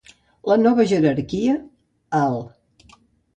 La nova jerarquia, alt.